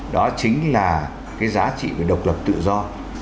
đó chính là cái giá trị của độc lập tự do